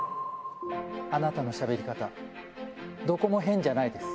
あなたのしゃべり方、どこも変じゃないです。